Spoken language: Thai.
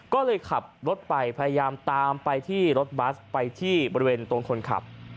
ก็เลยขับรถไปพยายามตามไปที่รถบัสไปที่บริเวณตรงคนขับ